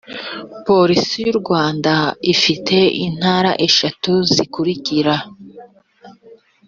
polisi y u rwanda ifite intara eshanu zikurikira